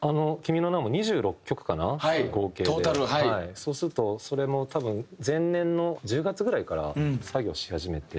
そうするとそれも多分前年の１０月ぐらいから作業し始めて。